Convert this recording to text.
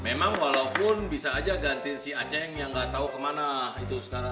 memang walaupun bisa aja ganti si aceh yang nggak tahu kemana itu sekarang